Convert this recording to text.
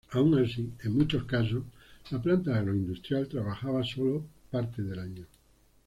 Aun así en muchos casos la planta agroindustrial trabaja solo parte del año.